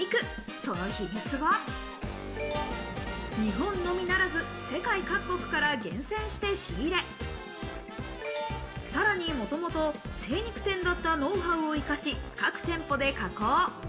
その秘密は、日本のみならず、世界各国から厳選して仕入れ、さらに元々、精肉店だったノウハウを生かし各店舗で加工。